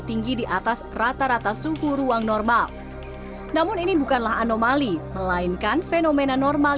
tinggi di atas rata rata suhu ruang normal namun ini bukanlah anomali melainkan fenomena normal